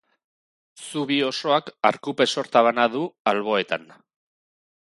Zubi osoak arkupe sorta bana du alboetan.